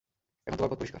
এখন তোমার পথ পরিষ্কার।